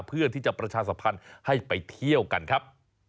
เพื่อที่จะประชาสัมพันธ์ให้ไปเที่ยวกันครับ